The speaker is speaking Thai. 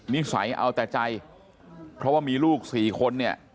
นิสัยเอาแต่ใจเพราะว่ามีลูกสี่คนเนี่ย